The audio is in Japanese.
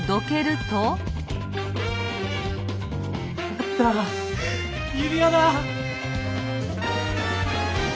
あった指輪だ！